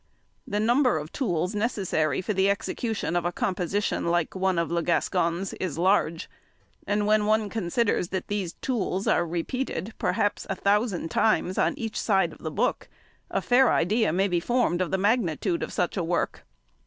The number of tools necessary for the execution of a composition like one of Le Gascon's is large; and when one considers that these tools are repeated, perhaps a thousand |115| times on each side of the book, a fair idea may be formed of the magnitude of such a work.